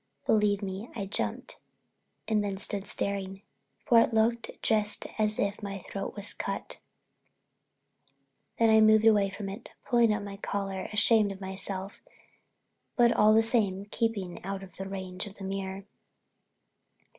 Believe me I jumped and then stood staring, for it looked just as if my throat was cut! Then I moved away from it, pulling up my collar, ashamed of myself but all the same keeping out of range of the mirror.